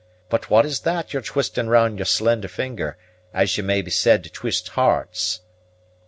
But what is that you're twisting round your slender finger as you may be said to twist hearts?"